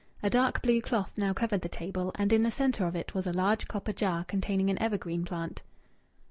A dark blue cloth now covered the table, and in the centre of it was a large copper jar containing an evergreen plant.